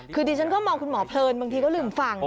คือดิฉันก็มองคุณหมอเพลินบางทีก็ลืมฟัง